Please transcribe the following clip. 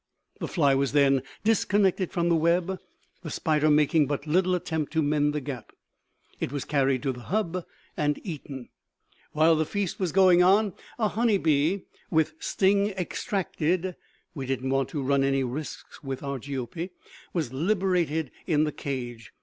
The fly was then disconnected from the web, the spider making but little attempt to mend the gap. It was carried to the hub and eaten. While the feast was going on, a honey bee [with sting extracted; we didn't want to run any risks with Argiope!] was liberated in the cage.